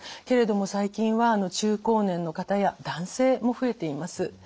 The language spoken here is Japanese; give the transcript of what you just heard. けれども最近は中高年の方や男性も増えています。